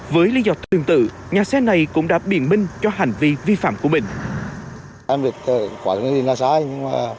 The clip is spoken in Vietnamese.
với lý do tương tự nhà xe này cũng đã biện minh cho hành vi vi phạm của mình